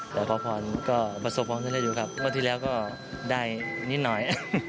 ครอบครอบครมก็ประสบความสุขได้ด้วยครับวันที่แล้วก็ได้นิดนิดน็อย